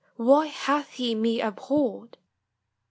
why hath he me abhord?